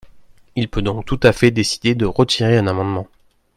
Il peut donc tout à fait décider de retirer un amendement.